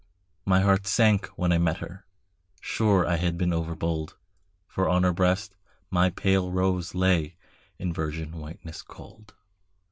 My heart sank when I met her: sure I had been overbold, For on her breast my pale rose lay In virgin whiteness cold.